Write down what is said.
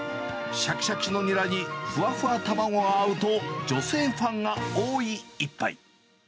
しゃきしゃきのニラに、ふわふわ卵が合うと、女性ファンが多い一杯。